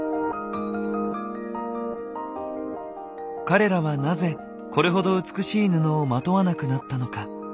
彼らはなぜこれほど美しい布を纏わなくなったのか。